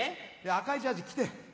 赤いジャージー着て。